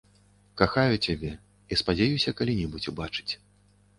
Кахаю цябе і спадзяюся калі-небудзь убачыць.